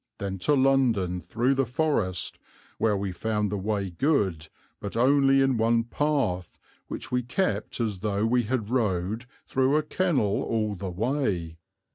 Then to London through the forest, where we found the way good, but only in one path, which we kept as though we had rode through a kennel all the way."